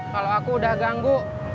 kalo aku udah ganggu